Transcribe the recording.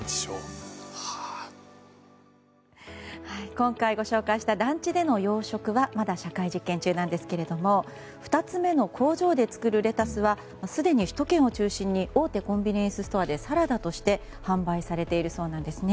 今回ご紹介した団地での養殖はまだ社会実験中なんですが２つ目の工場で作るレタスはすでに首都圏を中心に大手コンビニエンスストアでサラダとして販売されているそうなんです。